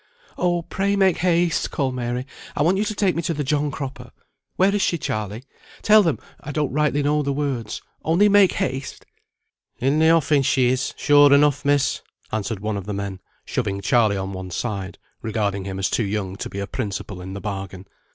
"Oh, pray make haste," called Mary. "I want you to take me to the John Cropper. Where is she, Charley? Tell them I don't rightly know the words, only make haste!" "In the offing she is, sure enough, miss," answered one of the men, shoving Charley on one side, regarding him as too young to be a principal in the bargain.